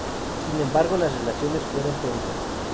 Sin embargo, las relaciones fueron tensas.